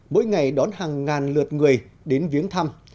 mỗi ngày đón hàng ngàn lượt người đến viếng thăm